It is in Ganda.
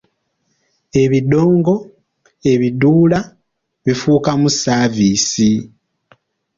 "Ebidongo, ebiduula bifuukamu “saaviisi”"